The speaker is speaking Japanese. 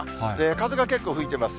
風が結構吹いてます。